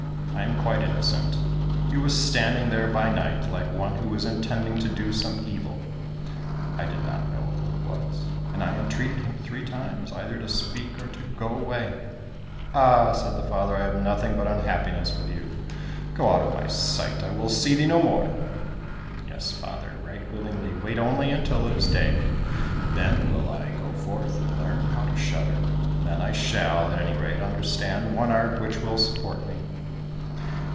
I am quite innocent. He was standing there by night like one who is intending to do some evil. I did not know who it was, and I entreated him three times either to speak or to go away." "Ah," said the father, "I have nothing but unhappiness with you. Go out of my sight. I will see thee no more." "Yes, father, right willingly, wait only until it is day. Then will I go forth and learn how to shudder, and then I shall, at any rate, understand one art which will support me."